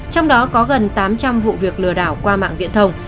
trong đó có gần tám trăm linh vụ việc lừa đảo qua mạng viễn thông